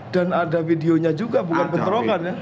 dan ada videonya juga bukan penterongan ya